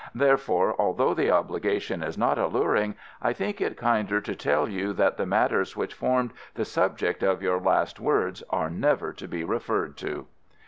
Therefore, although the obligation is not alluring, I think it kinder to tell you that the matters which formed the subject of your last words are never to be referred to."